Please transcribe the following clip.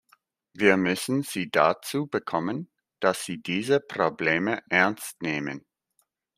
Wir müssen sie dazu bekommen, dass sie diese Probleme ernst nehmen.